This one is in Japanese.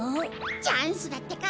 チャンスだってか。